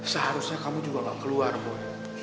seharusnya kamu juga gak keluar bu